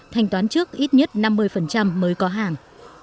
bán trước ít nhất năm mươi mới có hàng